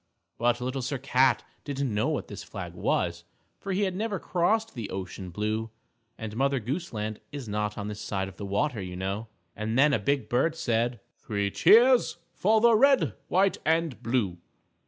But Little Sir Cat didn't know what flag this was, for he had never crossed the ocean blue, and Mother Goose Land is not on this side of the water, you know. And then a big bird said, "Three cheers for the Red, White and Blue!"